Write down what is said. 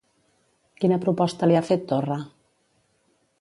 Quina proposta li ha fet Torra?